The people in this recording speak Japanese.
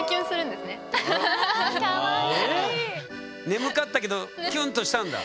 眠かったけどキュンとしたんだ？